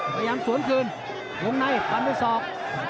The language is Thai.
พยายามสวนคืนวงในฟันด้วยศอก